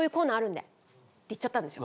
って言っちゃったんです。